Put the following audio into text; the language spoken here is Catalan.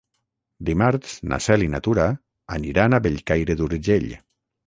Dimarts na Cel i na Tura aniran a Bellcaire d'Urgell.